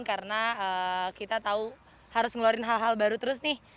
karena kita tahu harus ngeluarin hal hal baru terus nih